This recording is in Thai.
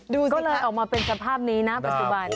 ก็เลยออกมาเป็นสภาพนี้นะปัจจุบัน